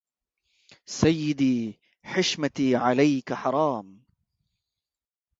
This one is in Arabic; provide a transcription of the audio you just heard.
سيدي حشمتي عليك حرام